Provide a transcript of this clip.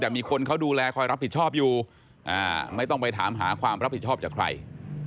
แต่มีคนเขาดูแลคอยรับผิดชอบอยู่ไม่ต้องไปถามหาความรับผิดชอบจากใคร